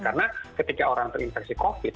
karena ketika orang terinfeksi covid